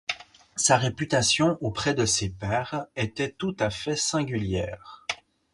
Sa réputation auprès de ses pairs était tout à fait singulière.